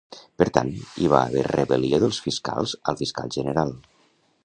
Per tant, hi va haver rebel·lió dels fiscals al fiscal general.